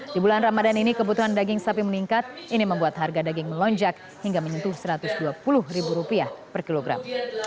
di bulan ramadan ini kebutuhan daging sapi meningkat ini membuat harga daging melonjak hingga menyentuh rp satu ratus dua puluh per kilogram